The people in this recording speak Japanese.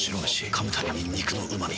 噛むたびに肉のうま味。